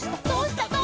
どうした？